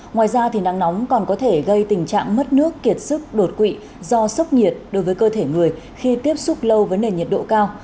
ngoài ra nắng nóng còn có thể gây tình trạng mất nước kiệt sức đột quỵ do sốc nhiệt đối với cơ thể người khi tiếp xúc lâu với nền nhiệt độ cao